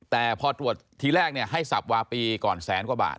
แต่พอตรวจทีแรกให้สับวาปีก่อนแสนกว่าบาท